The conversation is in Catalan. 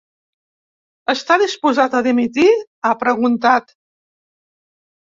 Està disposat a dimitir?, ha preguntat.